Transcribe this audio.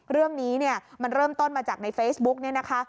เรื่องนี้มันเริ่มต้นมาจากในเฟซบุ๊ก